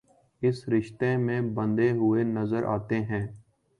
اس رشتے میں بندھے ہوئے نظرآتے ہیں